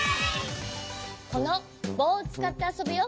このぼうをつかってあそぶよ。